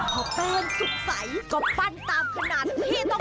พอแป้งสุดใสก็ปั้นตามขนาดที่ต้องการ